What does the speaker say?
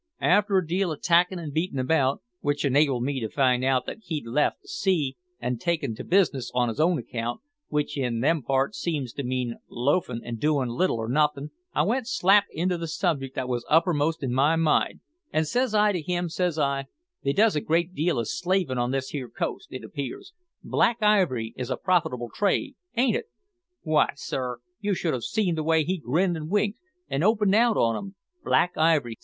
After a deal o' tackin' and beatin' about, which enabled me to find out that he'd left the sea an' taken to business on his own account, which in them parts seems to mean loafin' about doin' little or nothin', I went slap into the subject that was uppermost in my mind, and says I to him, says I, they does a deal o' slavin' on this here coast, it appears Black Ivory is a profitable trade, ain't it? W'y, sir, you should have seen the way he grinned and winked, and opened out on 'em. `Black Ivory!'